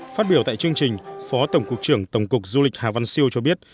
phát biểu tại chương trình phó tổng cục trưởng tổng cục du lịch hà văn siêu cho biết